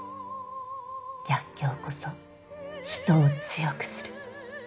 逆境こそ人を強くする。